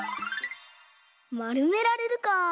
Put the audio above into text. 「まるめられる」か。